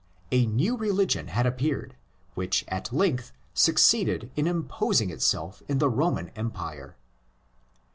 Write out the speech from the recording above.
A new religion had appeared, which at length succeeded in imposing itself in the Roman Empire.